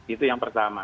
itu yang pertama